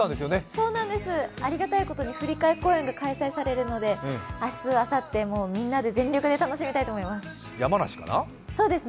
そうなんです、ありがたいことに振り替え公演が開催されるので明日、あさって、みんなで全力で楽しみたいと思います。